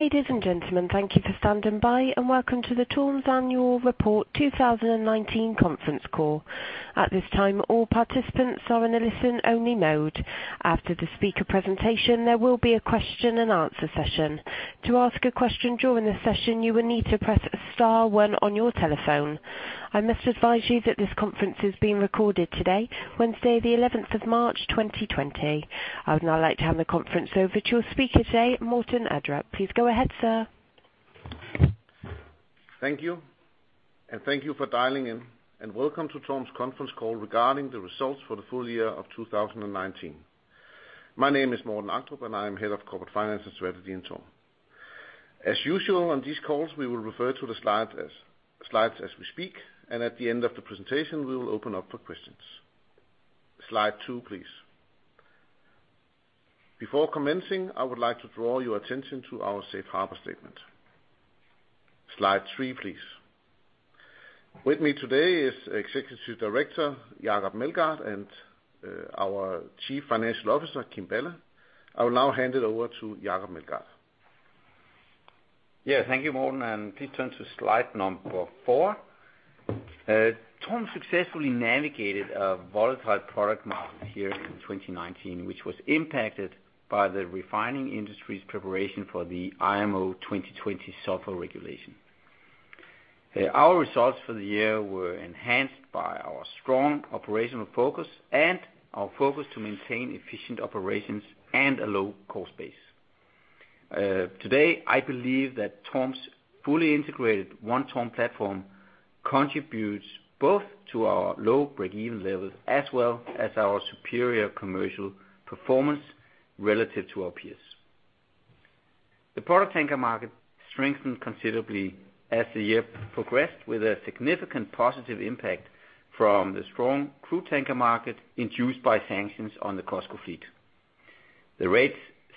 Ladies and gentlemen, thank you for standing by, and welcome to the TORM's Annual Report 2019 Conference Call. At this time, all participants are in a listen-only mode. After the speaker presentation, there will be a question and answer session. To ask a question during the session, you will need to press star one on your telephone. I must advise you that this conference is being recorded today, Wednesday, the 11th of March, 2020. I would now like to hand the conference over to your speaker today, Morten Agdrup. Please go ahead, sir. Thank you, and thank you for dialing in, and welcome to TORM's Conference Call regarding the results for the full year of 2019. My name is Morten Agdrup, and I am Head of Corporate Finance and Strategy in TORM. As usual, on these calls, we will refer to the slides as we speak, and at the end of the presentation, we will open up for questions. Slide two, please. Before commencing, I would like to draw your attention to our safe harbor statement. Slide three, please. With me today is Executive Director, Jacob Meldgaard, and our Chief Financial Officer, Kim Balle. I will now hand it over to Jacob Meldgaard. Yeah, thank you, Morten. Please turn to slide number four. TORM successfully navigated a volatile product market here in 2019, which was impacted by the refining industry's preparation for the IMO 2020 Sulfur Regulation. Our results for the year were enhanced by our strong operational focus and our focus to maintain efficient operations and a low cost base. Today, I believe that TORM's fully integrated One TORM platform contributes both to our low break-even levels as well as our superior commercial performance relative to our peers. The product tanker market strengthened considerably as the year progressed, with a significant positive impact from the strong crude tanker market induced by sanctions on the COSCO fleet. The rates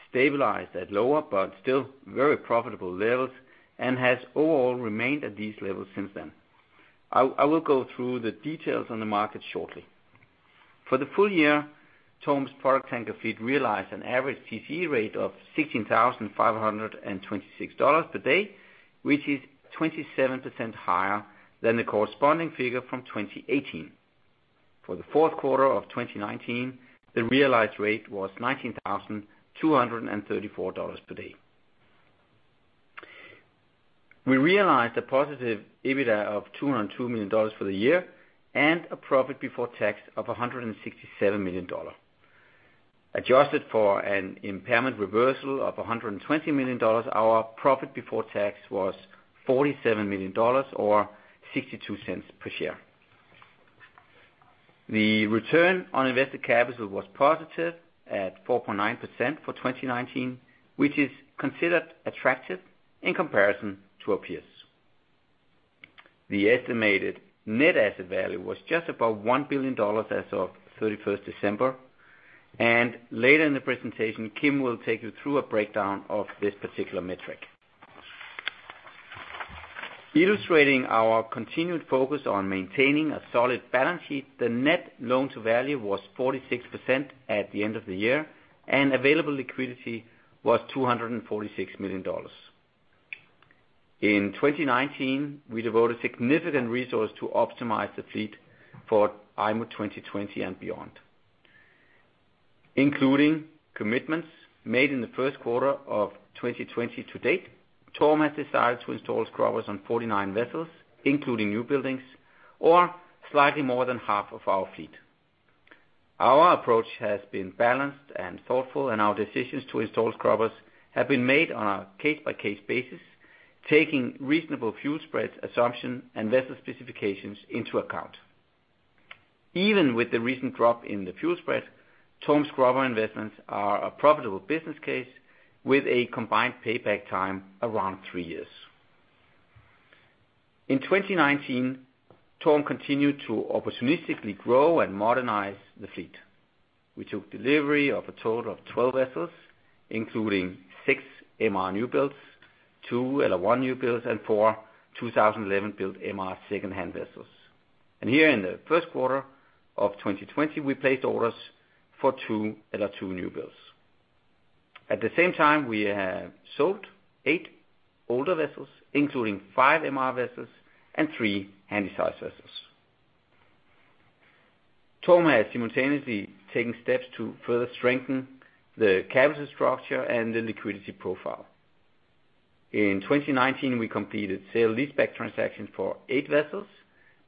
stabilized at lower, but still very profitable levels, and has overall remained at these levels since then. I will go through the details on the market shortly. For the full year, TORM's product tanker fleet realized an average TCE rate of $16,526 per day, which is 27% higher than the corresponding figure from 2018. For the fourth quarter of 2019, the realized rate was $19,234 per day. We realized a positive EBITDA of $202 million for the year, and a profit before tax of $167 million. Adjusted for an impairment reversal of $120 million, our profit before tax was $47 million or $0.62 per share. The return on invested capital was positive at 4.9% for 2019, which is considered attractive in comparison to our peers. The estimated net asset value was just about $1 billion as of 31st December, later in the presentation, Kim will take you through a breakdown of this particular metric. Illustrating our continued focus on maintaining a solid balance sheet, the net loan to value was 46% at the end of the year, available liquidity was $246 million. In 2019, we devoted significant resource to optimize the fleet for IMO 2020 and beyond. Including commitments made in the first quarter of 2020 to date, TORM has decided to install scrubbers on 49 vessels, including new buildings, or slightly more than half of our fleet. Our approach has been balanced and thoughtful, our decisions to install scrubbers have been made on a case-by-case basis, taking reasonable fuel spread assumption and vessel specifications into account. Even with the recent drop in the fuel spread, TORM scrubber investments are a profitable business case with a combined payback time around three years. In 2019, TORM continued to opportunistically grow and modernize the fleet. We took delivery of a total of 12 vessels, including six MR new builds, two LR1 new builds, and four 2011-built MR secondhand vessels. Here in the first quarter of 2020, we placed orders for two LR2 new builds. At the same time, we have sold eight older vessels, including five MR vessels and three Handysize vessels. TORM has simultaneously taken steps to further strengthen the capital structure and the liquidity profile. In 2019, we completed sale leaseback transactions for eight vessels,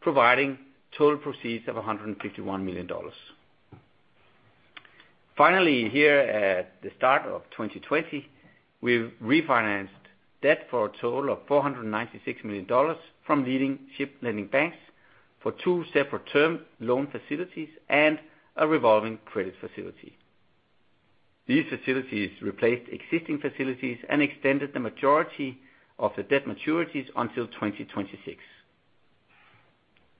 providing total proceeds of $151 million. Here at the start of 2020, we've refinanced debt for a total of $496 million from leading ship lending banks for two separate term loan facilities and a revolving credit facility. These facilities replaced existing facilities and extended the majority of the debt maturities until 2026.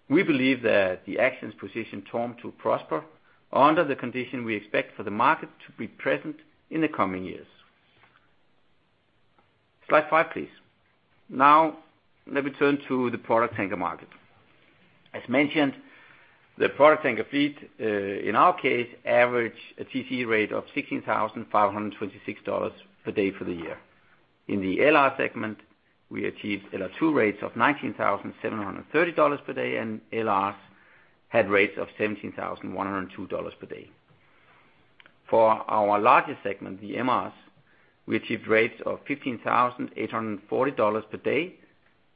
We believe that the actions position TORM to prosper under the condition we expect for the market to be present in the coming years. Slide five, please. Let me turn to the product tanker market. As mentioned, the product tanker fleet, in our case, average a TC rate of $16,526 per day for the year. In the LR segment, we achieved LR2 rates of $19,730 per day, and LRs had rates of $17,102 per day. For our largest segment, the MRs, we achieved rates of $15,840 per day,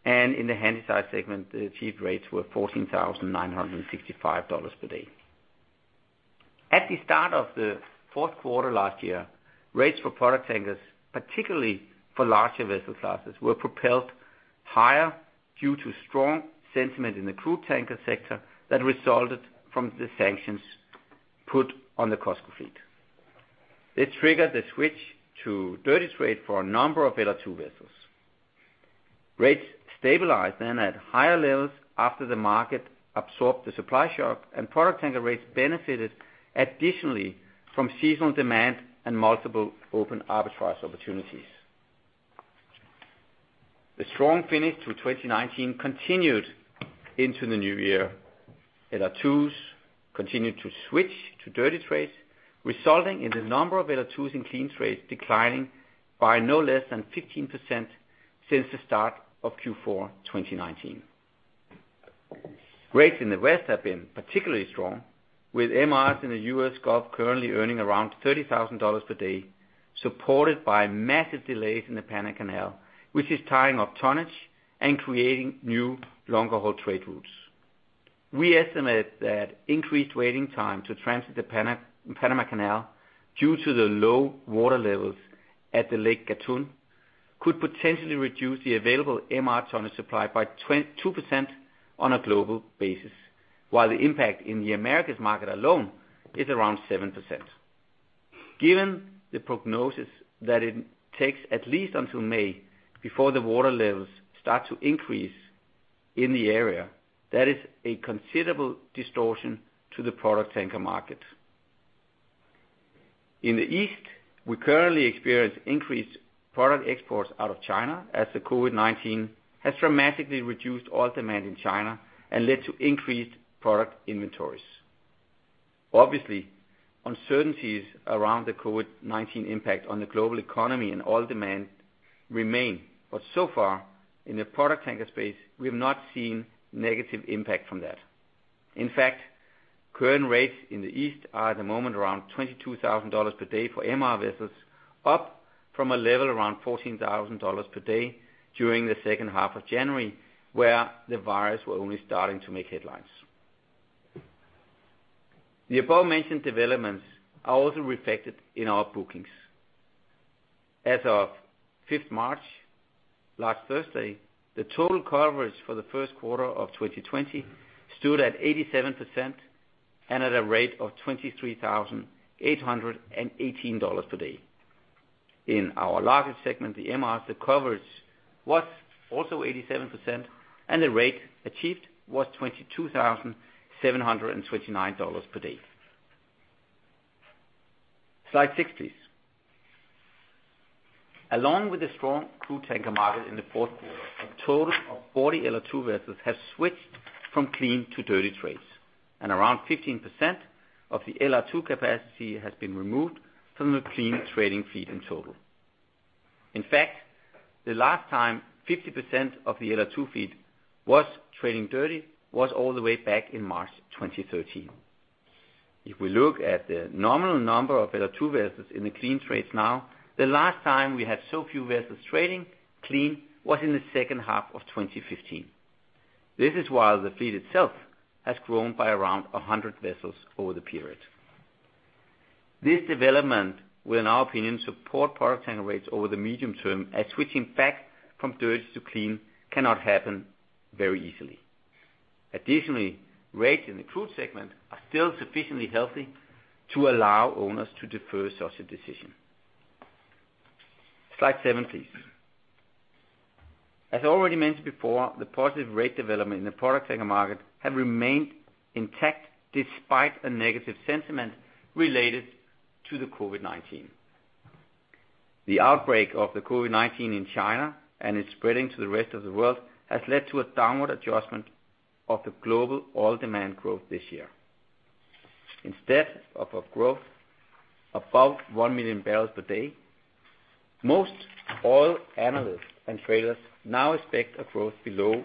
and in the Handysize segment, the achieved rates were $14,965 per day. At the start of the fourth quarter last year, rates for product tankers, particularly for larger vessel classes, were propelled higher due to strong sentiment in the crude tanker sector that resulted from the sanctions put on the COSCO fleet. It triggered the switch to dirty trade for a number of LR2 vessels. Rates stabilized then at higher levels after the market absorbed the supply shock, and product tanker rates benefited additionally from seasonal demand and multiple open arbitrage opportunities. The strong finish to 2019 continued into the new year. LR2s continued to switch to dirty trades, resulting in the number of LR2s in clean trades declining by no less than 15% since the start of Q4, 2019. Rates in the West have been particularly strong, with MRs in the US Gulf currently earning around $30,000 per day, supported by massive delays in the Panama Canal, which is tying up tonnage and creating new, longer haul trade routes. We estimate that increased waiting time to transit the Panama Canal, due to the low water levels at the Lake Gatun, could potentially reduce the available MR tonnage supply by 2% on a global basis, while the impact in the Americas market alone is around 7%. Given the prognosis that it takes at least until May before the water levels start to increase in the area, that is a considerable distortion to the product tanker market. In the East, we currently experience increased product exports out of China, as the COVID-19 has dramatically reduced oil demand in China and led to increased product inventories. Uncertainties around the COVID-19 impact on the global economy and oil demand remain, but so far, in the product tanker space, we have not seen negative impact from that. Current rates in the East are at the moment around $22,000 per day for MR vessels, up from a level around $14,000 per day during the second half of January, where the virus were only starting to make headlines. The above-mentioned developments are also reflected in our bookings. As of 5th March, last Thursday, the total coverage for the first quarter of 2020 stood at 87% and at a rate of $23,818 per day. In our largest segment, the MRs, the coverage was also 87%, and the rate achieved was $22,729 per day. Slide six, please. Along with the strong crude tanker market in the fourth quarter, a total of 40 LR2 vessels have switched from clean to dirty trades, and around 15% of the LR2 capacity has been removed from the clean trading fleet in total. In fact, the last time 50% of the LR2 fleet was trading dirty was all the way back in March 2013.If we look at the nominal number of LR2 vessels in the clean trades now, the last time we had so few vessels trading clean was in the second half of 2015. This is while the fleet itself has grown by around 100 vessels over the period. This development will, in our opinion, support product tanker rates over the medium term, as switching back from dirty to clean cannot happen very easily. Rates in the crude segment are still sufficiently healthy to allow owners to defer such a decision. Slide seven, please. Already mentioned before, the positive rate development in the product tanker market have remained intact despite a negative sentiment related to the COVID-19. The outbreak of the COVID-19 in China and its spreading to the rest of the world, has led to a downward adjustment of the global oil demand growth this year. Instead of a growth above 1 million barrels per day, most oil analysts and traders now expect a growth below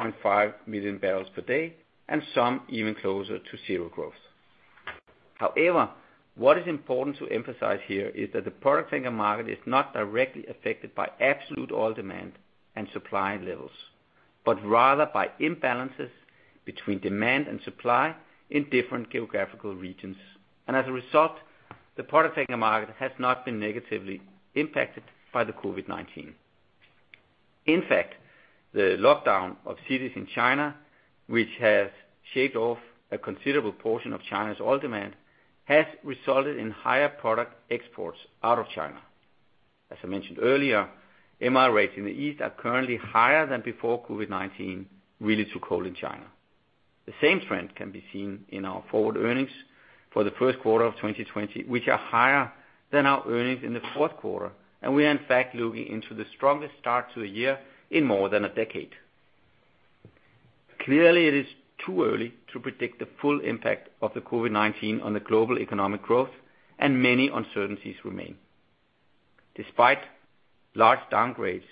0.5 million barrels per day, and some even closer to zero growth. What is important to emphasize here is that the product tanker market is not directly affected by absolute oil demand and supply levels, but rather by imbalances between demand and supply in different geographical regions. As a result, the product tanker market has not been negatively impacted by the COVID-19. In fact, the lockdown of cities in China, which has shaved off a considerable portion of China's oil demand, has resulted in higher product exports out of China. As I mentioned earlier, MR rates in the East are currently higher than before COVID-19 really took hold in China. The same trend can be seen in our forward earnings for the first quarter of 2020, which are higher than our earnings in the fourth quarter. We are in fact, looking into the strongest start to a year in more than a decade. Clearly, it is too early to predict the full impact of the COVID-19 on the global economic growth. Many uncertainties remain. Despite large downgrades,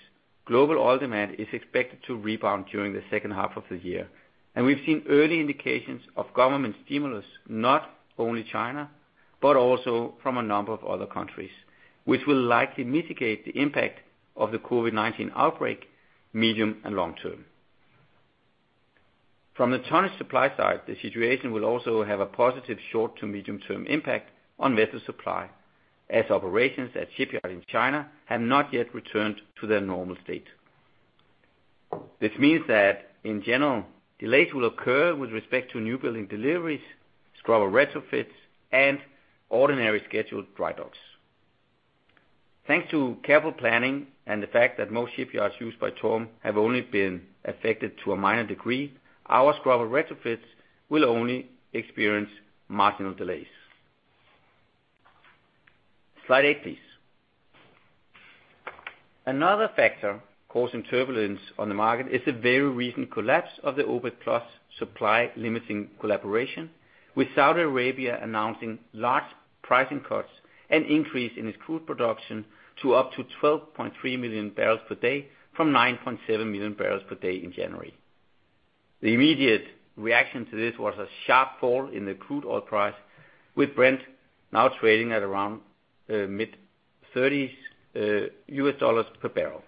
global oil demand is expected to rebound during the second half of the year. We've seen early indications of government stimulus, not only China, but also from a number of other countries, which will likely mitigate the impact of the COVID-19 outbreak, medium and long term. From the tonnage supply side, the situation will also have a positive short to medium term impact on vessel supply, as operations at shipyard in China have not yet returned to their normal state. This means that in general, delays will occur with respect to new building deliveries, scrubber retrofits, and ordinary scheduled dry docks. Thanks to careful planning and the fact that most shipyards used by TORM have only been affected to a minor degree, our scrubber retrofits will only experience marginal delays. Slide eight, please. Another factor causing turbulence on the market is the very recent collapse of the OPEC+ supply, limiting collaboration with Saudi Arabia, announcing large pricing cuts and increase in its crude production to up to 12.3 million barrels per day from 9.7 million barrels per day in January. The immediate reaction to this was a sharp fall in the crude oil price, with Brent now trading at around $mid thirties per barrel.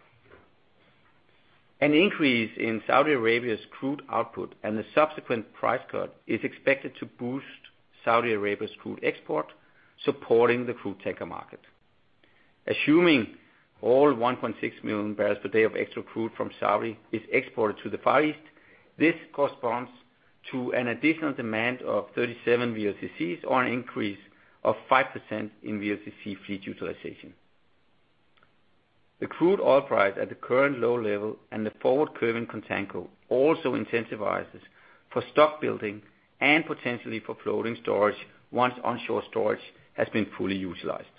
An increase in Saudi Arabia's crude output and the subsequent price cut is expected to boost Saudi Arabia's crude export, supporting the crude tanker market. Assuming all 1.6 million barrels per day of extra crude from Saudi is exported to the Far East, this corresponds to an additional demand of 37 VLCCs, or an increase of 5% in VLCC fleet utilization. The crude oil price at the current low level and the forward curving contango also intensifies for stock building and potentially for floating storage, once onshore storage has been fully utilized.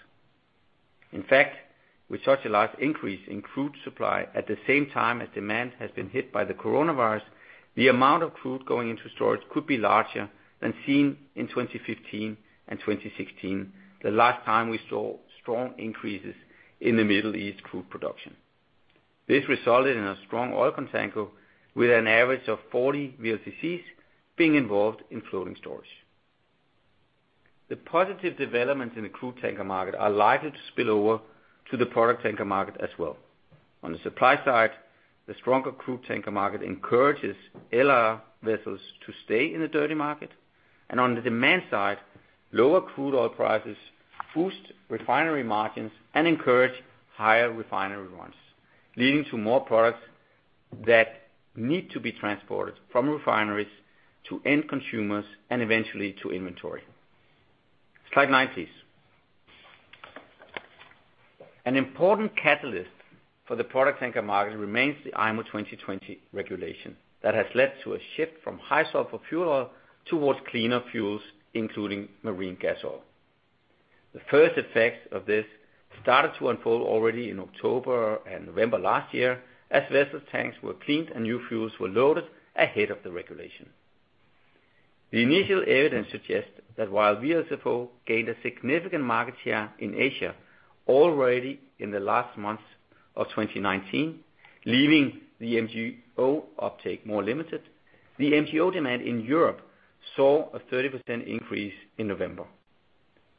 In fact, with such a large increase in crude supply, at the same time as demand has been hit by the coronavirus, the amount of crude going into storage could be larger than seen in 2015 and 2016, the last time we saw strong increases in the Middle East crude production. This resulted in a strong oil contango with an average of 40 VLCCs being involved in floating storage. The positive developments in the crude tanker market are likely to spill over to the product tanker market as well. On the supply side, the stronger crude tanker market encourages LR vessels to stay in the dirty market. On the demand side, lower crude oil prices boost refinery margins and encourage higher refinery runs, leading to more products that need to be transported from refineries to end consumers and eventually to inventory. Slide 9, please. An important catalyst for the product tanker market remains the IMO 2020 Regulation that has led to a shift from high sulfur fuel oil towards cleaner fuels, including marine gas oil. The first effects of this started to unfold already in October and November last year, as vessel tanks were cleaned and new fuels were loaded ahead of the regulation. The initial evidence suggests that while VLSFO gained a significant market share in Asia already in the last months of 2019, leaving the MGO uptake more limited, the MGO demand in Europe saw a 30% increase in November.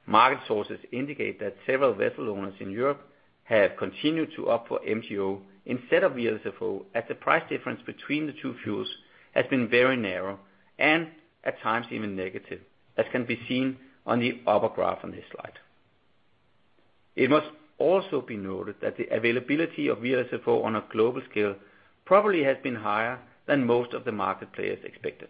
Market sources indicate that several vessel owners in Europe have continued to opt for MGO instead of VLSFO, as the price difference between the two fuels has been very narrow and at times even negative, as can be seen on the upper graph on this slide. It must also be noted that the availability of VLSFO on a global scale probably has been higher than most of the market players expected.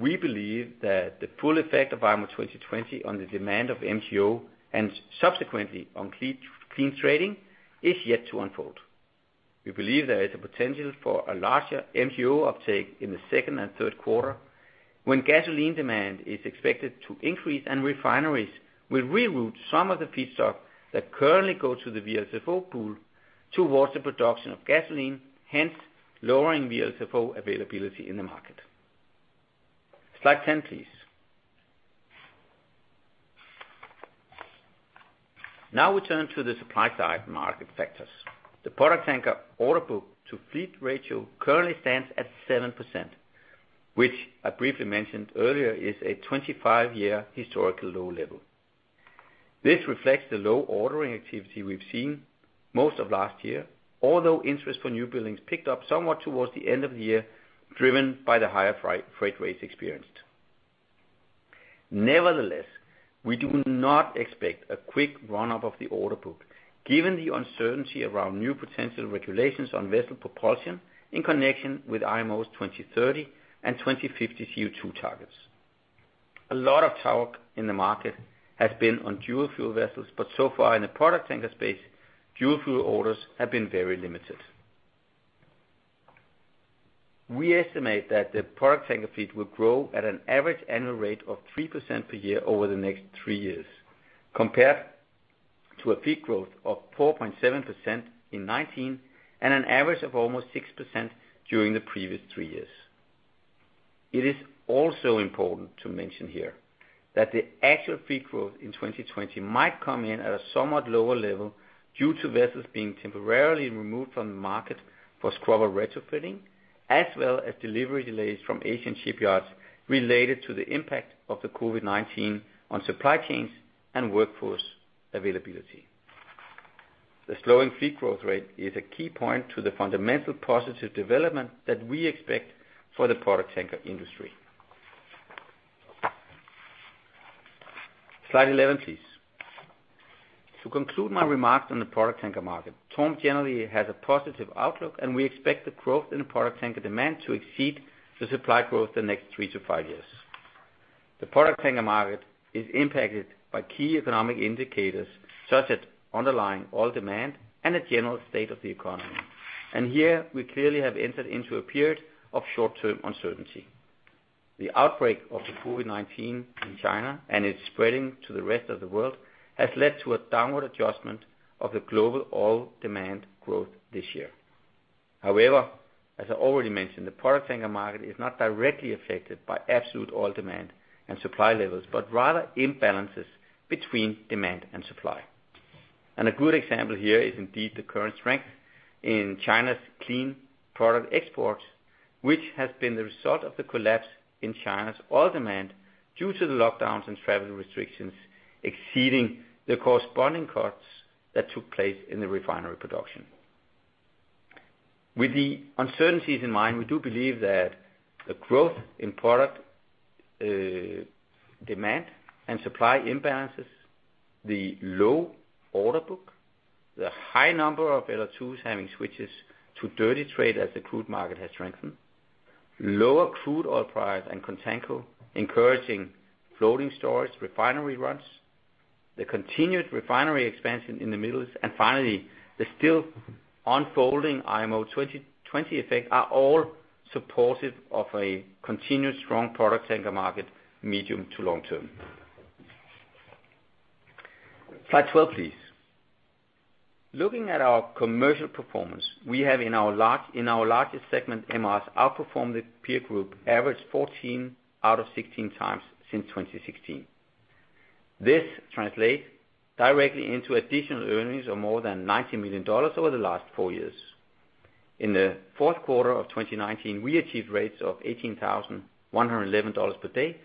We believe that the full effect of IMO 2020 on the demand of MGO and subsequently on clean trading, is yet to unfold. We believe there is a potential for a larger MGO uptake in the second and third quarter, when gasoline demand is expected to increase and refineries will reroute some of the feedstock that currently go to the VLSFO pool towards the production of gasoline, hence, lowering VLSFO availability in the market. Slide 10, please. We turn to the supply side market factors. The product tanker order book to fleet ratio currently stands at 7%, which I briefly mentioned earlier, is a 25-year historical low level. This reflects the low ordering activity we've seen most of last year, although interest for new buildings picked up somewhat towards the end of the year, driven by the higher freight rates experienced. Nevertheless, we do not expect a quick run-up of the order book, given the uncertainty around new potential regulations on vessel propulsion in connection with IMO's 2030 and 2050 CO2 targets. A lot of talk in the market has been on dual fuel vessels, but so far in the product tanker space, dual fuel orders have been very limited. We estimate that the product tanker fleet will grow at an average annual rate of 3% per year over the next three years, compared to a fleet growth of 4.7% in 2019, and an average of almost 6% during the previous three years.It is also important to mention here that the actual fleet growth in 2020 might come in at a somewhat lower level due to vessels being temporarily removed from the market for scrubber retrofitting, as well as delivery delays from Asian shipyards related to the impact of the COVID-19 on supply chains and workforce availability. The slowing fleet growth rate is a key point to the fundamental positive development that we expect for the product tanker industry. Slide 11, please. To conclude my remarks on the product tanker market, TORM generally has a positive outlook, and we expect the growth in product tanker demand to exceed the supply growth the next 3-5 years. The product tanker market is impacted by key economic indicators, such as underlying oil demand and the general state of the economy. Here, we clearly have entered into a period of short-term uncertainty. The outbreak of the COVID-19 in China and its spreading to the rest of the world, has led to a downward adjustment of the global oil demand growth this year. As I already mentioned, the product tanker market is not directly affected by absolute oil demand and supply levels, but rather imbalances between demand and supply. A good example here is indeed the current strength in China's clean product exports, which has been the result of the collapse in China's oil demand due to the lockdowns and travel restrictions exceeding the corresponding cuts that took place in the refinery production. With the uncertainties in mind, we do believe that the growth in product demand and supply imbalances, the low order book, the high number of LR2s having switches to dirty trade as the crude market has strengthened, lower crude oil price and contango, encouraging floating storage, refinery runs, the continued refinery expansion in the Middle East, and finally, the still unfolding IMO 2020 effect, are all supportive of a continuous strong product tanker market, medium to long term. Slide 12, please. Looking at our commercial performance, we have in our largest segment, MRs, outperformed the peer group average 14x out of 16x since 2016. This translate directly into additional earnings of more than $90 million over the last four years.In the fourth quarter of 2019, we achieved rates of $18,111 per day,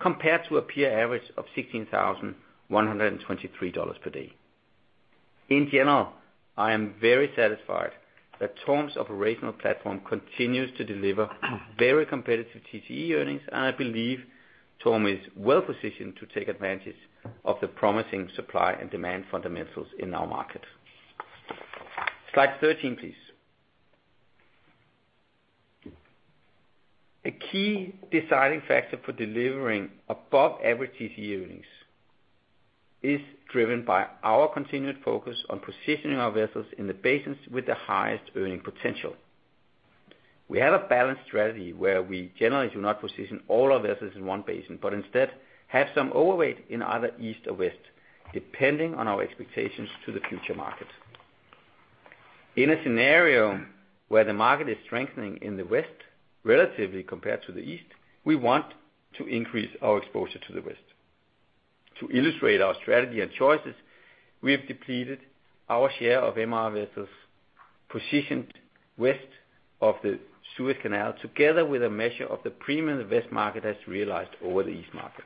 compared to a peer average of $16,123 per day. In general, I am very satisfied that TORM's operational platform continues to deliver very competitive TCE earnings, I believe TORM is well positioned to take advantage of the promising supply and demand fundamentals in our market. Slide 13, please. A key deciding factor for delivering above average TCE earnings is driven by our continued focus on positioning our vessels in the basins with the highest earning potential. We have a balanced strategy where we generally do not position all our vessels in one basin, but instead have some overweight in either east or west, depending on our expectations to the future market.In a scenario where the market is strengthening in the west, relatively compared to the east, we want to increase our exposure to the west. To illustrate our strategy and choices, we have depleted our share of MR vessels positioned west of the Suez Canal, together with a measure of the premium the west market has realized over the east market.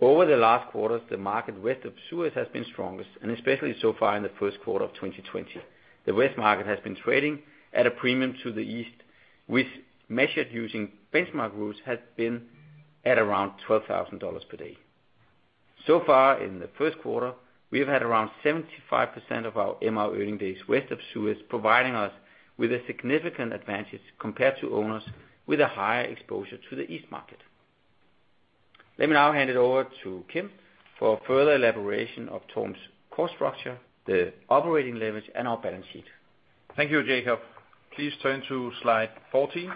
Over the last quarters, the market west of Suez has been strongest, and especially so far in the first quarter of 2020. The west market has been trading at a premium to the east, which measured using benchmark routes, has been at around $12,000 per day. So far in the first quarter, we have had around 75% of our MR earning days west of Suez, providing us with a significant advantage compared to owners with a higher exposure to the east market. Let me now hand it over to Kim for further elaboration of TORM's cost structure, the operating leverage, and our balance sheet. Thank you, Jacob. Please turn to slide 14.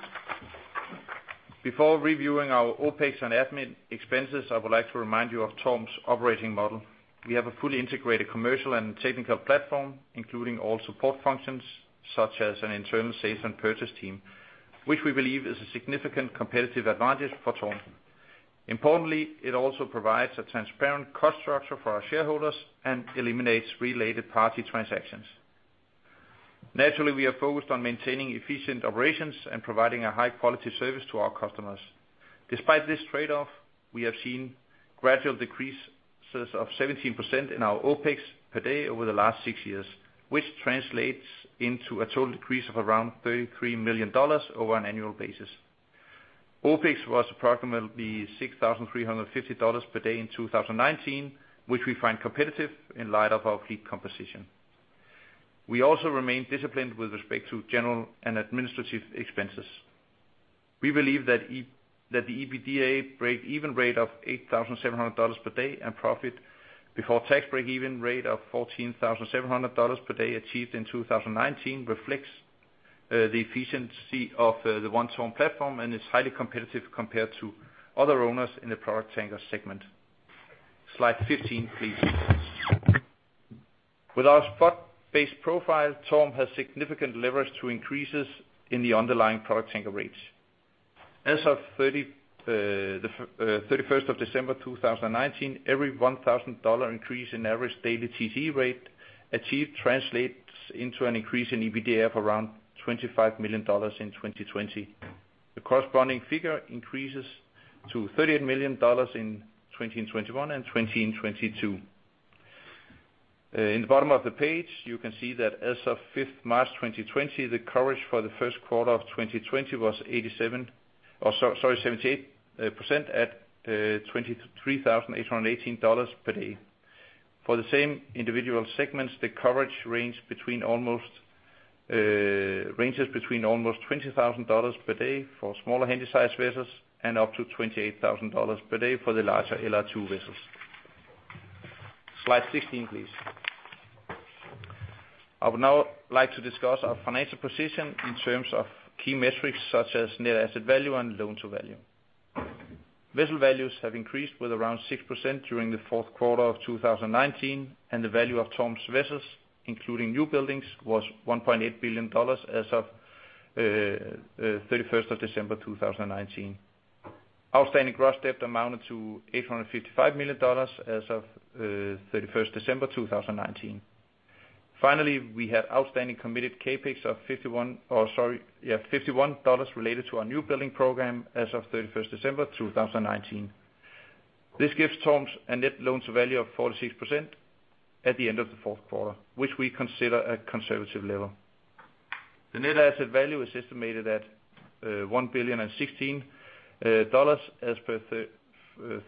Before reviewing our OpEx and admin expenses, I would like to remind you of TORM's operating model. We have a fully integrated commercial and technical platform, including all support functions, such as an internal sales and purchase team, which we believe is a significant competitive advantage for TORM. Importantly, it also provides a transparent cost structure for our shareholders and eliminates related party transactions. Naturally, we are focused on maintaining efficient operations and providing a high quality service to our customers. Despite this trade-off, we have seen gradual decreases of 17% in our OpEx per day over the last six years, which translates into a total decrease of around $33 million over an annual basis. OpEx was approximately $6,350 per day in 2019, which we find competitive in light of our fleet composition. We also remain disciplined with respect to general and administrative expenses. We believe that the EBITDA breakeven rate of $8,700 per day, and profit before tax breakeven rate of $14,700 per day achieved in 2019, reflects the efficiency of the One TORM platform, and is highly competitive compared to other owners in the product tanker segment. Slide 15, please. With our spot-based profile, TORM has significant leverage to increases in the underlying product tanker rates. As of 31st of December 2019, every $1,000 increase in average daily TC rate achieved, translates into an increase in EBITDA of around $25 million in 2020. The corresponding figure increases to $38 million in 2021 and 2022. In the bottom of the page, you can see that as of 5th March 2020, the coverage for the first quarter of 2020 was 78% at $23,818 per day. For the same individual segments, the coverage ranges between almost $20,000 per day for smaller Handysize vessels, and up to $28,000 per day for the larger LR2 vessels. Slide 16, please.I would now like to discuss our financial position in terms of key metrics, such as net asset value and net loan to value. Vessel values have increased with around 6% during the fourth quarter of 2019, and the value of TORM's vessels, including new buildings, was $1.8 billion as of December 31st, 2019. Outstanding gross debt amounted to $855 million as of December 31st, 2019. We had outstanding committed CapEx of $51 related to our new building program as of December 31st, 2019. This gives TORM's a net loan to value of 46% at the end of the fourth quarter, which we consider a conservative level. The net asset value is estimated at $1,000,000,016 as per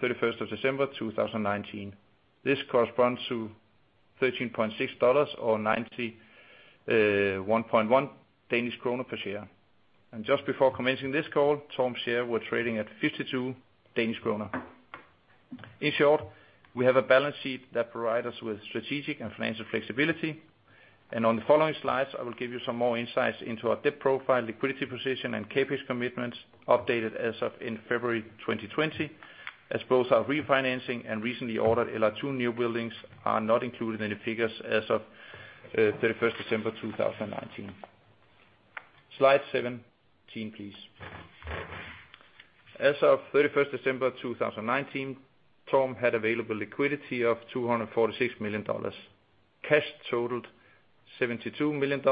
31st of December 2019. This corresponds to $13.6 or 91.1 Danish kroner per share. Just before commencing this call, TORM's share were trading at 52 Danish kroner. In short, we have a balance sheet that provide us with strategic and financial flexibility. On the following slides, I will give you some more insights into our debt profile, liquidity position, and CapEx commitments, updated as of in February 2020, as both our refinancing and recently ordered LR2 new buildings are not included in the figures as of 31st December 2019. Slide 17, please. As of 31st December 2019, TORM had available liquidity of $246 million. Cash totaled $72 million.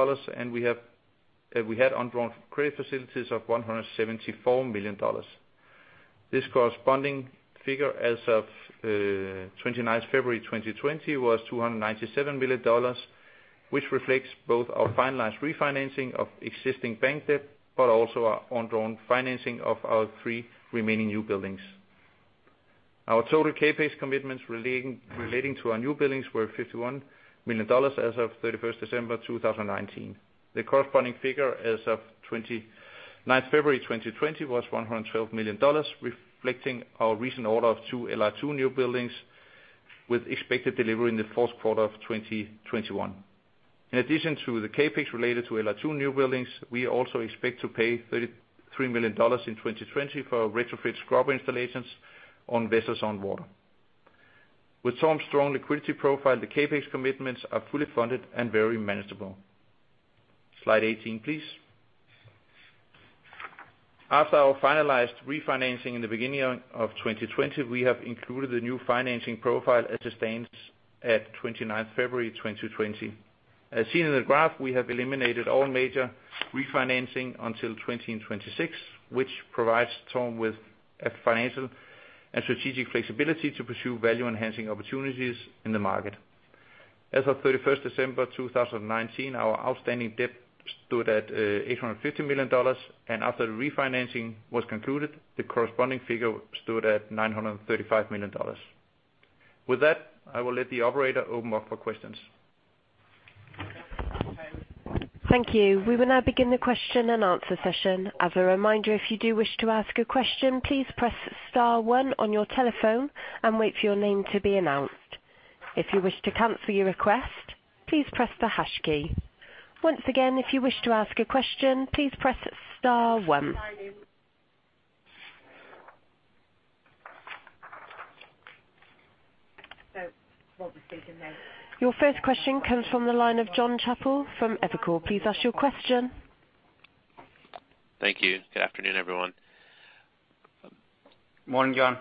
We had undrawn credit facilities of $174 million. This corresponding figure as of 29th February 2020 was $297 million, which reflects both our finalized refinancing of existing bank debt, but also our undrawn financing of our three remaining new buildings. Our total CapEx commitments relating to our new buildings were $51 million as of 31st December 2019. The corresponding figure as of 29th February 2020 was $112 million, reflecting our recent order of two LR2 new buildings, with expected delivery in the fourth quarter of 2021. In addition to the CapEx related to LR2 new buildings, we also expect to pay $33 million in 2020 for retrofit scrubber installations on vessels on water. With TORM's strong liquidity profile, the CapEx commitments are fully funded and very manageable. Slide 18, please. After our finalized refinancing in the beginning of 2020, we have included the new financing profile as it stands at 29th February 2020. As seen in the graph, we have eliminated all major refinancing until 2020 and 2026, which provides TORM with a financial and strategic flexibility to pursue value-enhancing opportunities in the market. As of 31st December 2019, our outstanding debt stood at $850 million, and after the refinancing was concluded, the corresponding figure stood at $935 million. With that, I will let the operator open up for questions. Thank you. We will now begin the question and answer session. As a reminder, if you do wish to ask a question, please press star one on your telephone and wait for your name to be announced. If you wish to cancel your request, please press the hash key. Once again, if you wish to ask a question, please press star one. Your first question comes from the line of Jon Chappell from Evercore. Please ask your question. Thank you. Good afternoon, everyone. Morning, Jon.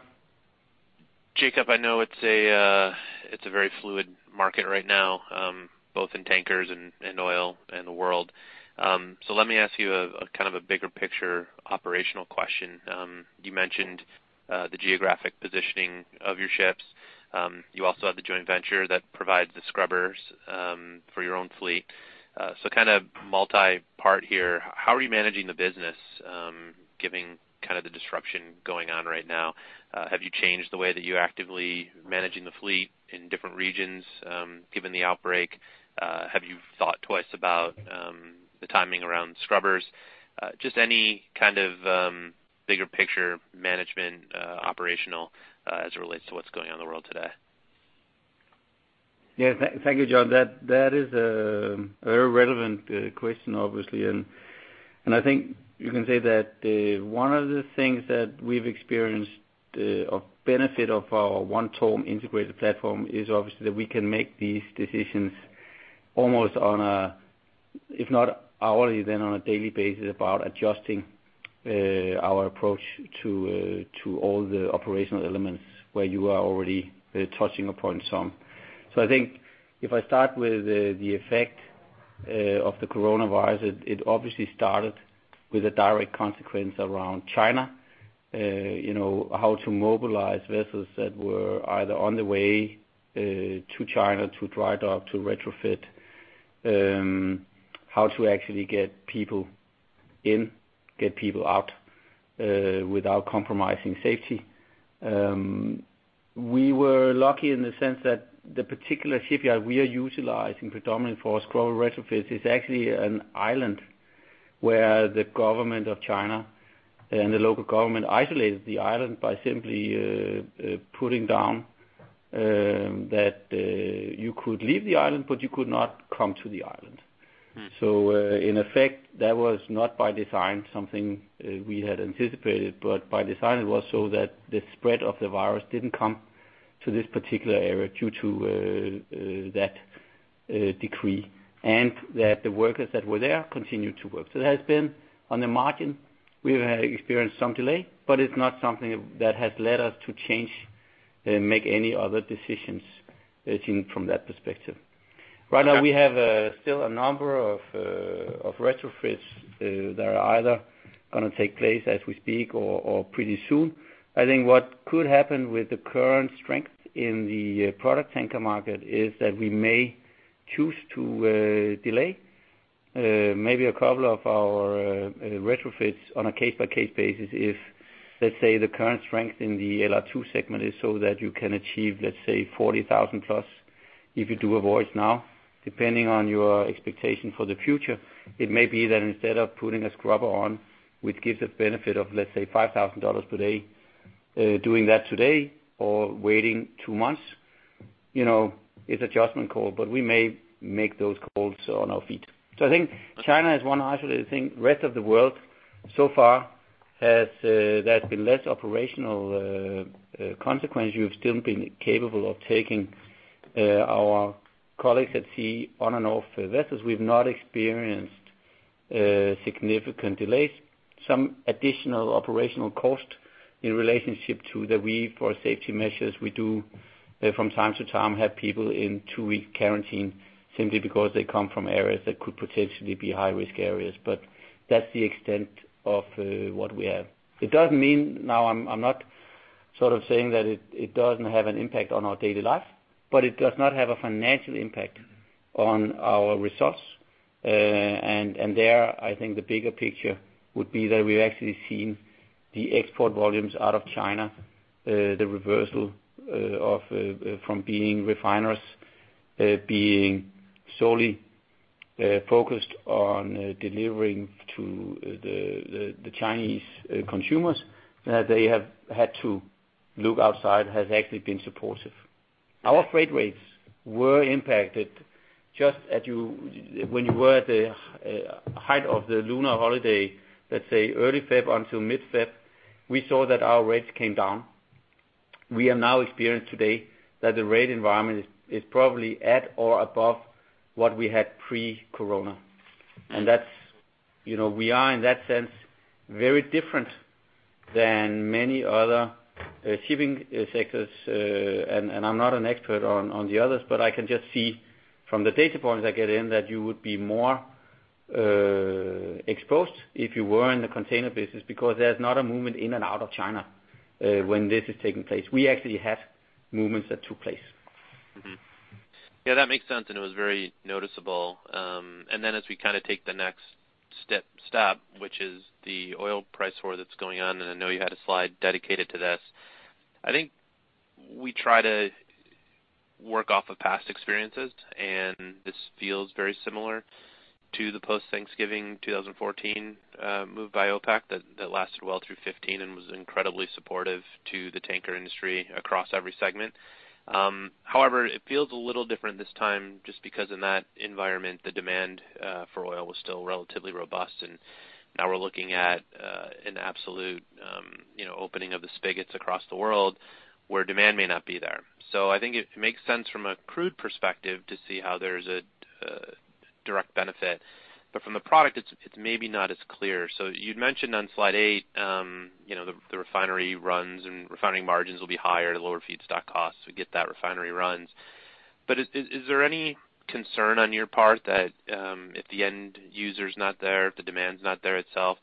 Jacob, I know it's a very fluid market right now, both in tankers and oil and the world. Let me ask you a kind of a bigger picture operational question. You mentioned the geographic positioning of your ships. You also have the joint venture that provides the scrubbers for your own fleet. Kind of multi-part here, how are you managing the business, kind of the disruption going on right now? Have you changed the way that you're actively managing the fleet in different regions, given the outbreak? Have you thought twice about the timing around scrubbers? Just any kind of bigger picture management, operational, as it relates to what's going on in the world today? Yeah, thank you, Jon. That is a very relevant question, obviously. I think you can say that one of the things that we've experienced of benefit of our One TORM integrated platform is obviously that we can make these decisions almost on a, if not hourly, then on a daily basis, about adjusting our approach to to all the operational elements where you are already touching upon some. I think if I start with the effect of the coronavirus, it obviously started with a direct consequence around China. you know, how to mobilize vessels that were either on the way to China, to dry dock, to retrofit, how to actually get people in, get people out without compromising safety. We were lucky in the sense that the particular shipyard we are utilizing predominantly for scrubber retrofits is actually an island where the government of China and the local government isolated the island by simply putting down that you could leave the island, but you could not come to the island. Mm-hmm. In effect, that was not by design, something we had anticipated, but by design, it was so that the spread of the virus didn't come to this particular area due to that decree, and that the workers that were there continued to work. It has been on the margin. We have experienced some delay, but it's not something that has led us to change and make any other decisions seen from that perspective. Right now, we have still a number of retrofits that are either gonna take place as we speak or pretty soon.I think what could happen with the current strength in the product tanker market is that we may choose to delay maybe a couple of our retrofits on a case-by-case basis if, let's say, the current strength in the LR2 segment is so that you can achieve, let's say, 40,000+. If you do a voice now, depending on your expectation for the future, it may be that instead of putting a scrubber on, which gives us benefit of, let's say, $5,000 per day, doing that today or waiting two months, you know, it's a judgment call, but we may make those calls on our feet. I think China is one isolated thing. Rest of the world so far has, there has been less operational consequence. We've still been capable of taking our colleagues at sea on and off vessels. We've not experienced significant delays. Some additional operational cost in relationship to that we, for safety measures, we do from time to time, have people in two-week quarantine simply because they come from areas that could potentially be high-risk areas, but that's the extent of what we have. It doesn't mean. Now, I'm not sort of saying that it doesn't have an impact on our daily life, but it does not have a financial impact on our results. There, I think the bigger picture would be that we've actually seen the export volumes out of China, the reversal of from being refiners, being solely focused on delivering to the Chinese consumers, that they have had to look outside, has actually been supportive. Our freight rates were impacted just as you, when you were at the height of the Lunar holiday, let's say early Feb until mid-Feb, we saw that our rates came down. We have now experienced today that the rate environment is probably at or above what we had pre-corona. That's, you know, we are, in that sense, very different than many other shipping sectors. I'm not an expert on the others, but I can just see from the data points I get in, that you would be more exposed if you were in the container business, because there's not a movement in and out of China, when this is taking place. We actually have movements that took place. Yeah, that makes sense, and it was very noticeable. As we kind of take the next step- stop, which is the oil price war that's going on, and I know you had a slide dedicated to this. I think we try to work off of past experiences, and this feels very similar to the post-Thanksgiving 2014 move by OPEC that lasted well through 2015 and was incredibly supportive to the tanker industry across every segment. However, it feels a little different this time, just because in that environment, the demand for oil was still relatively robust, and now we're looking at an absolute, you know, opening of the spigots across the world where demand may not be there.I think it makes sense from a crude perspective to see how there's a direct benefit, but from the product, it's maybe not as clear. You'd mentioned on slide eight, you know, the refinery runs and refinery margins will be higher to lower feedstock costs. We get that refinery runs. Is there any concern on your part that if the end user's not there, if the demand's not there itself,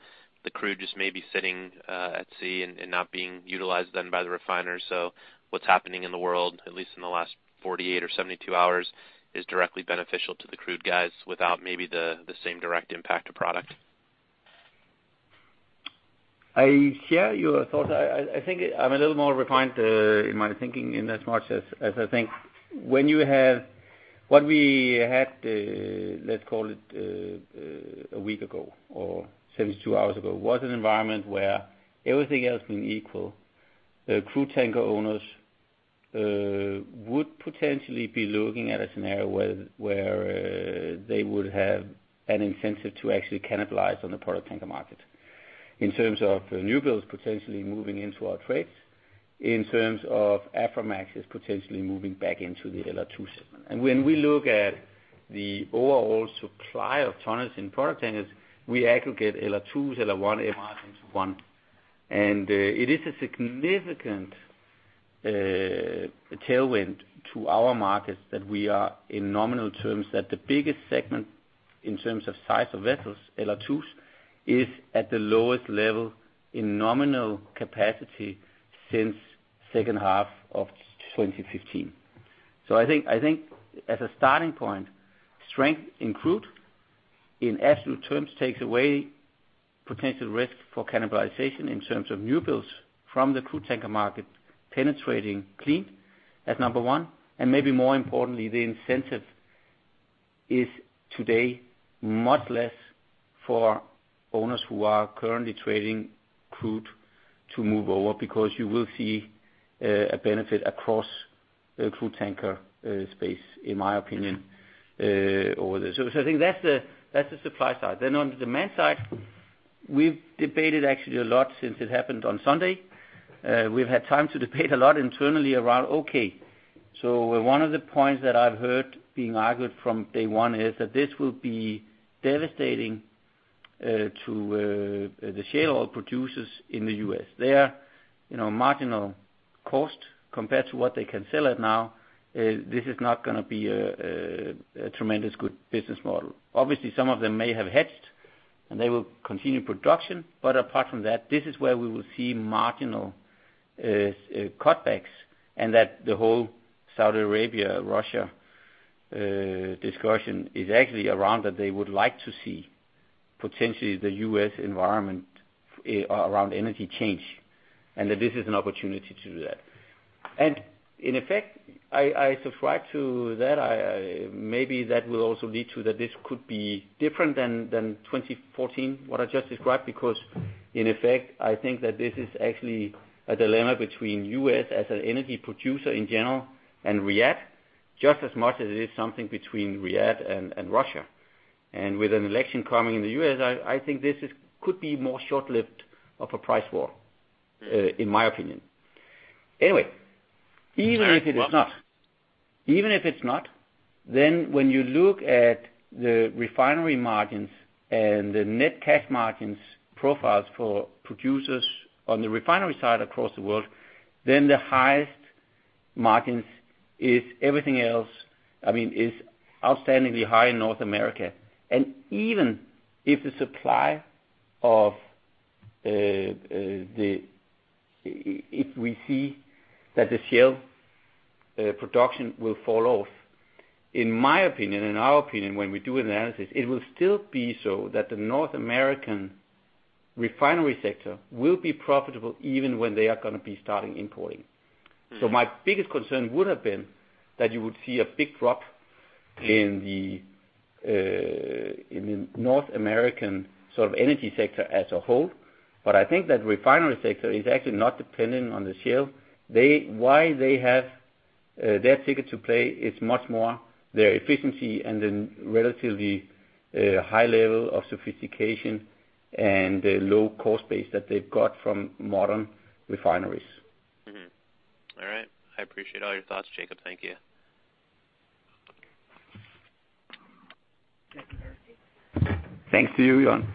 the crude just may be sitting at sea and not being utilized then by the refiners? What's happening in the world, at least in the last 48 hours or 72 hours, is directly beneficial to the crude guys without maybe the same direct impact to product? I share your thoughts. I think I'm a little more refined in my thinking, in as much as I think when you have what we had, let's call it a week ago or 72 hours ago, was an environment where everything else being equal, the crude tanker owners would potentially be looking at a scenario where they would have an incentive to actually cannibalize on the product tanker market. In terms of new builds, potentially moving into our trades, in terms of Aframax is potentially moving back into the LR2 segment. When we look at the overall supply of tonnage in product tankers, we aggregate LR2, LR1, MR into one.It is a significant tailwind to our markets that we are in nominal terms, that the biggest segment in terms of size of vessels, LR2s, is at the lowest level in nominal capacity since second half of 2015. I think as a starting point, strength in crude, in absolute terms, takes away potential risk for cannibalization in terms of new builds from the crude tanker market, penetrating clean, as number one, and maybe more importantly, the incentive is today, much less for owners who are currently trading crude to move over, because you will see a benefit across the crude tanker space, in my opinion, over there. I think that's the supply side. On the demand side, we've debated actually a lot since it happened on Sunday. We've had time to debate a lot internally around, okay, one of the points that I've heard being argued from day one is that this will be devastating to the shale oil producers in the U.S. Their, you know, marginal cost compared to what they can sell at now, this is not gonna be a tremendous good business model. Obviously, some of them may have hedged, and they will continue production, but apart from that, this is where we will see marginal cutbacks, and that the whole Saudi Arabia, Russia discussion is actually around that they would like to see potentially the US environment around energy change, and that this is an opportunity to do that. In effect, I subscribe to that. Maybe that will also lead to that this could be different than 2014, what I just described, because in effect, I think that this is actually a dilemma between U.S. as an energy producer in general and Riyadh, just as much as it is something between Riyadh and Russia. With an election coming in the U.S., I think this is, could be more short-lived of a price war, in my opinion. Even if it is not, even if it's not, then when you look at the refinery margins and the net cash margins profiles for producers on the refinery side across the world, then the highest margins is everything else, I mean, is outstandingly high in North America. Even if the supply of the...If we see that the shale production will fall off, in my opinion, in our opinion, when we do analysis, it will still be so that the North American refinery sector will be profitable even when they are gonna be starting importing. My biggest concern would have been that you would see a big drop in the North American sort of energy sector as a whole. I think that refinery sector is actually not dependent on the shale. Why they have their ticket to play is much more their efficiency and the relatively high level of sophistication and the low cost base that they've got from modern refineries. All right. I appreciate all your thoughts, Jacob. Thank you. Thanks to you, Jon.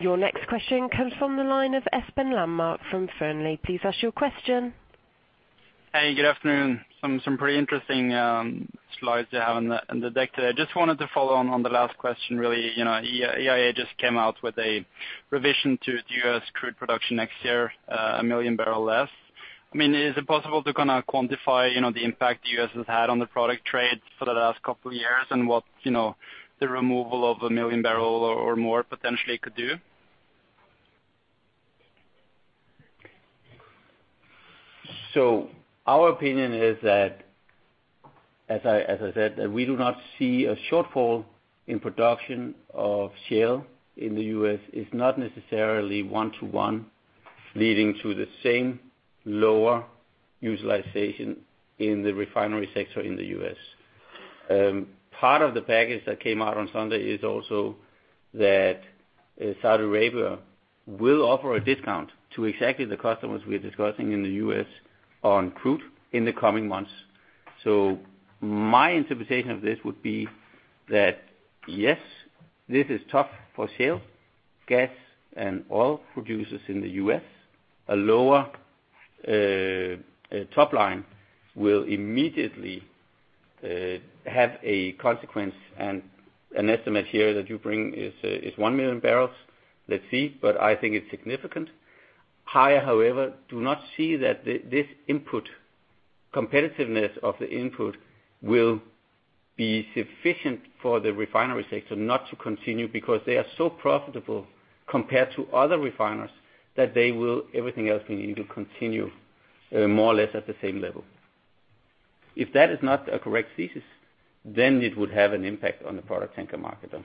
Your next question comes from the line of Espen Landmark from Fearnley. Please ask your question. Hey, good afternoon. Some, some pretty interesting slides you have on the, on the deck today. I just wanted to follow on the last question, really, you know, EIA just came out with a revision to the US crude production next year, 1 million barrel less. I mean, is it possible to kinda quantify, you know, the impact the U.S. has had on the product trade for the last couple of years, and what, you know, the removal of 1 million barrel or more potentially could do? Our opinion is that, as I said, that we do not see a shortfall in production of shale in the U.S., is not necessarily one to one, leading to the same lower utilization in the refinery sector in the U.S. Part of the package that came out on Sunday is also that Saudi Arabia will offer a discount to exactly the customers we're discussing in the U.S. on crude in the coming months. My interpretation of this would be that, yes, this is tough for shale, gas, and oil producers in the U.S. A lower top line will immediately have a consequence, and an estimate here that you bring is 1 million barrels. Let's see, I think it's significant. I, however, do not see that this input...competitiveness of the input will be sufficient for the refinery sector not to continue, because they are so profitable compared to other refiners, that they will, everything else being equal, continue, more or less at the same level. If that is not a correct thesis, then it would have an impact on the product tanker market, though.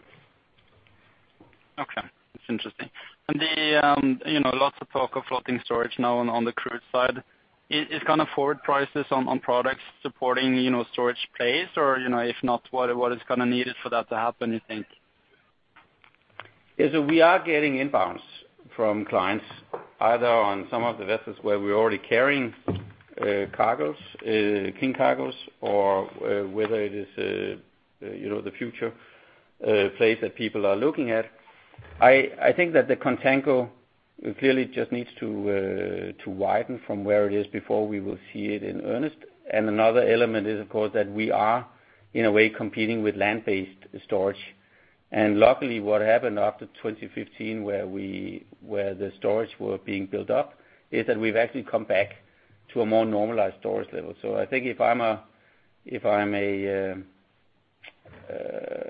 Okay, it's interesting. The, you know, lots of talk of floating storage now on the crude side. Is gonna forward prices on products supporting, you know, storage place? You know, if not, what is gonna need it for that to happen, you think? We are getting inbounds from clients, either on some of the vessels where we're already carrying cargoes, clean cargoes, or whether it is, you know, the future place that people are looking at. I think that the contango clearly just needs to widen from where it is before we will see it in earnest. Another element is, of course, that we are, in a way, competing with land-based storage. Luckily, what happened after 2015, where the storage were being built up, is that we've actually come back to a more normalized storage level. I think if I'm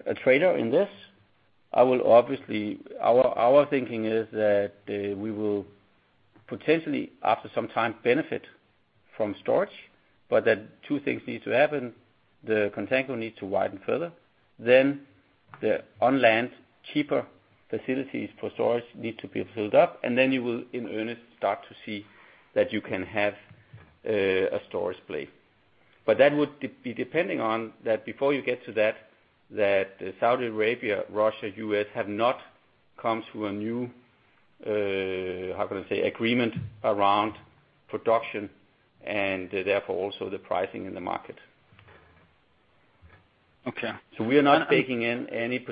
a trader in this, I will obviously our thinking is that we will potentially, after some time, benefit from storage, but that two things need to happen: the contango needs to widen further, then the on land, cheaper facilities for storage need to be filled up, and then you will, in earnest, start to see that you can have a storage place. That would be depending on, that before you get to that Saudi Arabia, Russia, U.S., have not come to a new, how can I say, agreement around production, and therefore, also the pricing in the market. Okay. We are not taking in any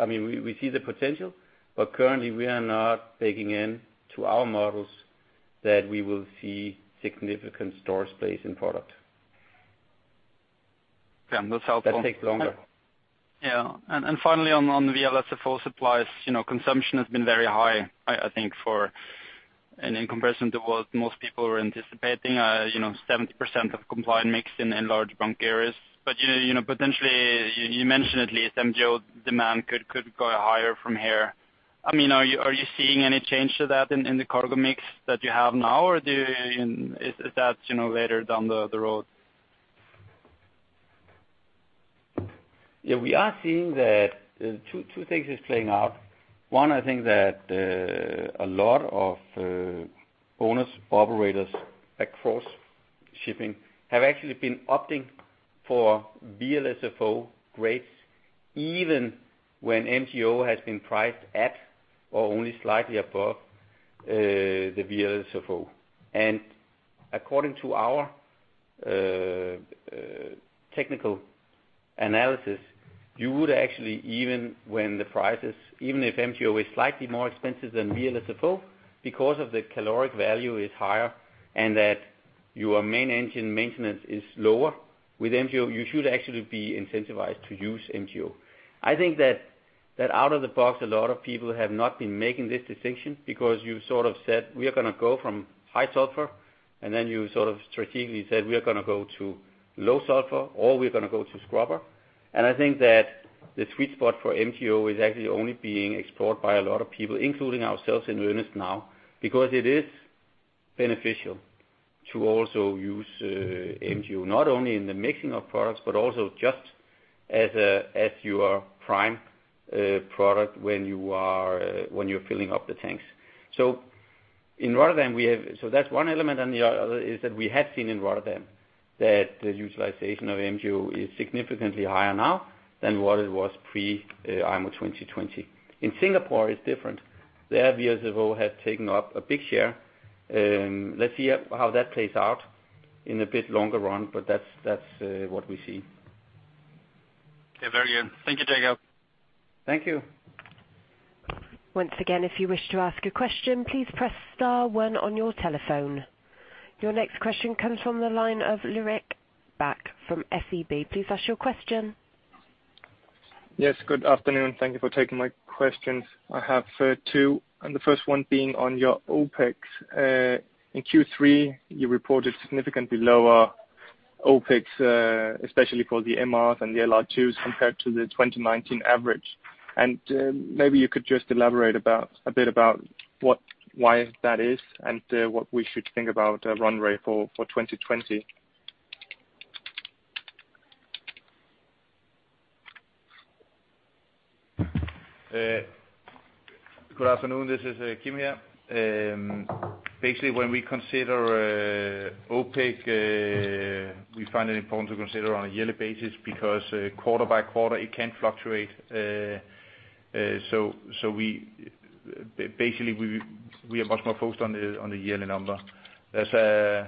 I mean, we see the potential, but currently we are not taking in to our models that we will see significant storage space in product. Yeah, that's helpful. That takes longer. Yeah. Finally on the VLSFO supplies, you know, consumption has been very high, I think. In comparison to what most people were anticipating, you know, 70% of compliant mix in large bunk areas. You know, you know, potentially, you mentioned at least MGO demand could go higher from here. I mean, are you seeing any change to that in the cargo mix that you have now? Is that, you know, later down the road? Yeah, we are seeing that, two things is playing out. One, I think that, a lot of owners, operators across shipping have actually been opting for VLSFO grades, even when MGO has been priced at or only slightly above, the VLSFO. According to our technical analysis, you would actually, even when the prices, even if MGO is slightly more expensive than VLSFO, because of the calorific value is higher, and that your main engine maintenance is lower, with MGO, you should actually be incentivized to use MGO. I think that out of the box, a lot of people have not been making this distinction, because you sort of said: "We are gonna go from high sulfur," and then you sort of strategically said: "We are gonna go to low sulfur, or we're gonna go to scrubber." I think that the sweet spot for MGO is actually only being explored by a lot of people, including ourselves, in earnest now, because it is beneficial to also use MGO, not only in the mixing of products, but also just as a, as your prime product when you are when you're filling up the tanks. In Rotterdam. That's one element, and the other is that we have seen in Rotterdam, that the utilization of MGO is significantly higher now than what it was pre IMO 2020.In Singapore, it's different. There, VLSFO has taken up a big share. Let's see how that plays out in a bit longer run, but that's what we see. Okay, very good. Thank you, Jacob. Thank you. Once again, if you wish to ask a question, please press star one on your telephone. Your next question comes from the line of Lars Bastian Østereng from SEB. Please ask your question. Yes, good afternoon. Thank you for taking my questions. I have two, and the first one being on your OpEx. In Q3, you reported significantly lower OpEx, especially for the MRs and the LR2s, compared to the 2019 average. Maybe you could just elaborate about, a bit about why that is, and what we should think about, runway for 2020. Good afternoon. This is Kim here. Basically, when we consider OpEx, we find it important to consider on a yearly basis, because quarter by quarter, it can fluctuate. So we, basically, we are much more focused on the yearly number. There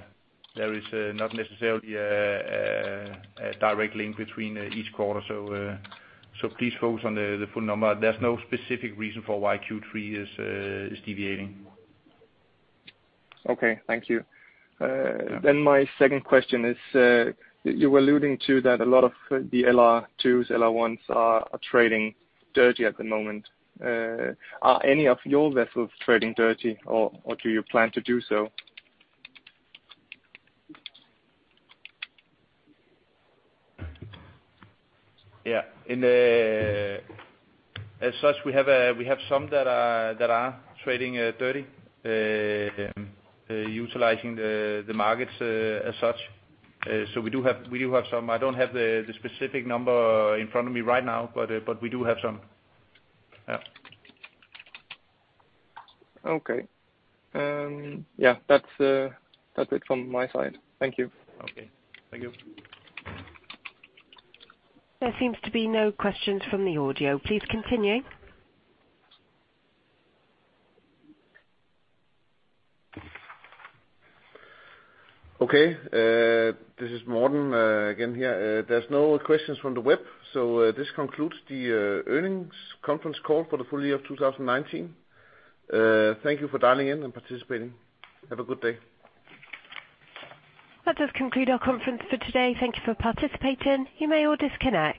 is not necessarily a direct link between each quarter, so please focus on the full number. There's no specific reason for why Q3 is deviating. Okay, thank you. Yeah. My second question is, you were alluding to that a lot of the LR2s, LR1s are trading dirty at the moment. Are any of your vessels trading dirty or do you plan to do so? Yeah. As such, we have, we have some that are trading, dirty, utilizing the markets, as such. We do have some. I don't have the specific number in front of me right now, but we do have some. Yeah. Okay. Yeah, that's it from my side. Thank you. Okay. Thank you. There seems to be no questions from the audio. Please continue. Okay. This is Morten again here. There's no questions from the web. This concludes the Earnings Conference Call for the Full Year of 2019. Thank you for dialing in and participating. Have a good day. That does conclude our conference for today. Thank You for participating. You may all disconnect.